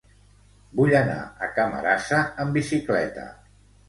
Vull anar a Camarasa amb bicicleta.